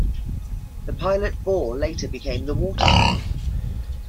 The pilot bore later became the water tunnel.